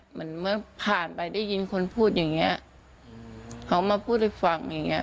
เหมือนเมื่อผ่านไปได้ยินคนพูดอย่างเงี้ยเขามาพูดให้ฟังอย่างเงี้